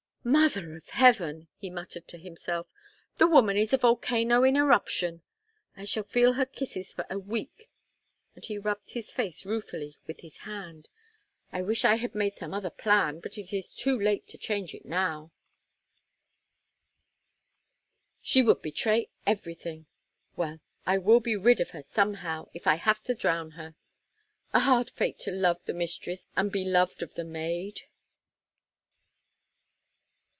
"Mother of Heaven!" he muttered to himself, "the woman is a volcano in eruption. I shall feel her kisses for a week," and he rubbed his face ruefully with his hand. "I wish I had made some other plan; but it is too late to change it now—she would betray everything. Well, I will be rid of her somehow, if I have to drown her. A hard fate to love the mistress and be loved of the maid!"